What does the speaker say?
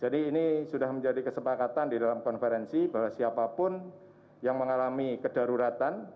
jadi ini sudah menjadi kesepakatan di dalam konferensi bahwa siapapun yang mengalami kedaruratan